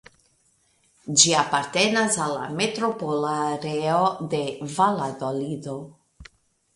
Ĝi apartenas al la Metropola Areo de Valadolido.